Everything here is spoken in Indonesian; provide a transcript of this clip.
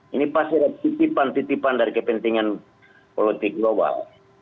ini pasti ada titipan titipan dari kepentingan politik global